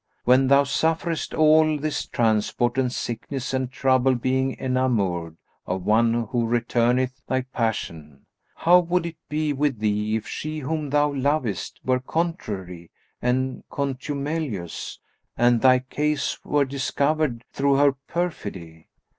When thou sufferest all this transport and sickness and trouble being enamoured of one who returneth thy passion, how would it be with thee if she whom thou lovest were contrary and contumelious, and thy case were discovered through her perfidy?"